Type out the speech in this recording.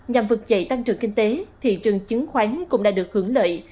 nhằm vực dậy tăng trưởng kinh tế thị trường chứng khoán cũng đã được hưởng lợi